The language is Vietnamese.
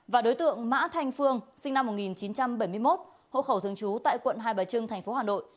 và đối tượng mã thanh phương sinh năm một nghìn chín trăm bảy mươi một hộ khẩu thương chú tại quận hai bà trưng thành phố hà nội